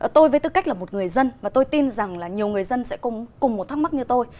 tôi với tư cách là một người dân và tôi tin rằng là nhiều người dân sẽ cùng một thắc mắc như tôi